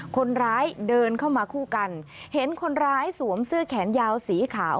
คนร้ายเดินเข้ามาคู่กันเห็นคนร้ายสวมเสื้อแขนยาวสีขาว